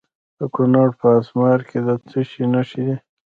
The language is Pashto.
د کونړ په اسمار کې د څه شي نښې دي؟